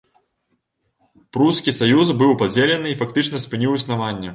Прускі саюз быў падзелены і фактычна спыніў існаванне.